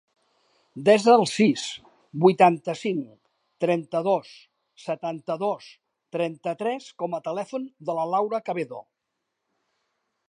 Desa el sis, vuitanta-cinc, trenta-dos, setanta-dos, trenta-tres com a telèfon de la Laura Cabedo.